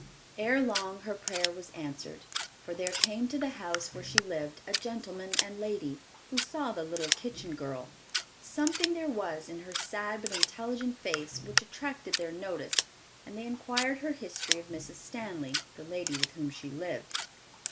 Ere long her prayer was answered, for there came to the house where she lived a gentleman and lady, who saw the "little kitchen girl." Something there was in her sad but intelligent face which attracted their notice, and they inquired her history of Mrs. Stanley, the lady with whom she lived.